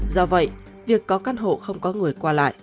do vậy việc có căn hộ không có người qua lại